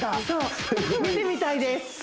そう見てみたいです